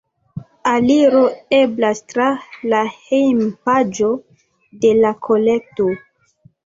Aliro eblas tra la hejmpaĝo de la kolekto.